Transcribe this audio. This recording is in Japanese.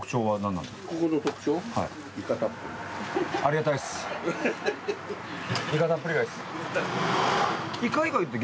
はい。